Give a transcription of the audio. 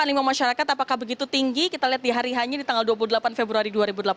animo masyarakat apakah begitu tinggi kita lihat di hari hanya di tanggal dua puluh delapan februari dua ribu delapan belas